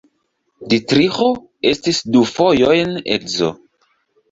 Ditriĥo estis du fojojn edzo.